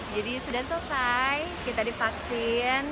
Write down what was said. jadi sudah selesai kita divaksin